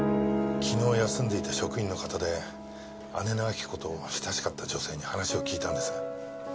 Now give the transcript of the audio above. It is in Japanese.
昨日休んでいた職員の方で姉の亜木子と親しかった女性に話を聞いたんです。